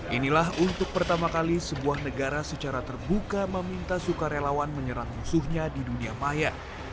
inilah untuk pertama kali sebuah negara secara terbuka meminta sukarelawan menyerang musuhnya di dunia maya